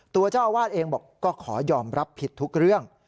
เจ้าอาวาสเองบอกก็ขอยอมรับผิดทุกเรื่อง